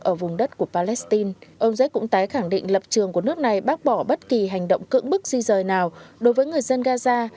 ở vùng đất của palestine ông zek cũng tái khẳng định lập trường của nước này bác bỏ bất kỳ hành động cưỡng bức di rời nào đối với người dân gaza